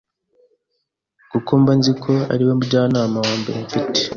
kuko mba nzi ko ariwe mujyanama wa mbere mfite.